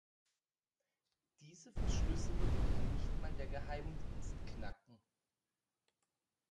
Diese Verschlüsselung kann nicht mal der Geheimdienst knacken.